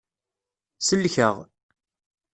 Sellek-aɣ.